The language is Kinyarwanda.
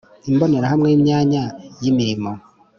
imbonerahamwe y’imyanya yi mirimo